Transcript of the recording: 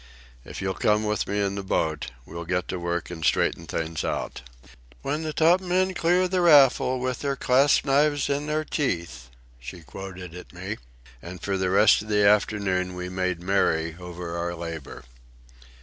If you'll come with me in the boat, we'll get to work and straighten things out." "'When the topmen clear the raffle with their clasp knives in their teeth,'" she quoted at me; and for the rest of the afternoon we made merry over our labour.